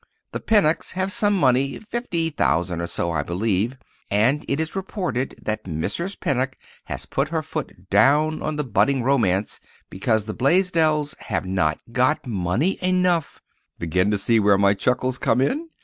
The Pennocks have some money—fifty thousand, or so, I believe—and it is reported that Mrs. Pennock has put her foot down on the budding romance—because the Blaisdells have not got money enough! (Begin to see where my chuckles come in?)